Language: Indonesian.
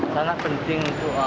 sangat penting itu